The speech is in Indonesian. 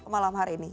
malam hari ini